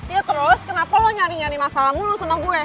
ya terus kenapa lo nyari nyari masalah mulu sama gue